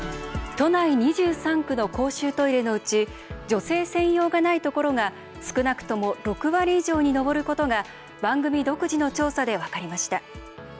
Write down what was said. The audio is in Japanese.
都内２３区の公衆トイレのうち女性専用がないところが少なくとも６割以上に上ることが番組独自の調査で分かりました。